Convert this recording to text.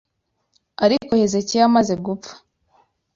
Ariko Hezekiya amaze gupfa